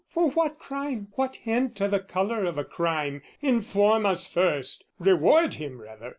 For what crime, what hint "O' the colour of a crime, inform us first! "Reward him rather!